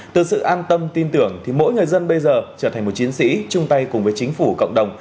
từ sự an tâm tin tưởng thì mỗi người dân bây giờ trở thành một chiến sĩ chung tay cùng với chính phủ cộng đồng